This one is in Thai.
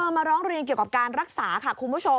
มาร้องเรียนเกี่ยวกับการรักษาค่ะคุณผู้ชม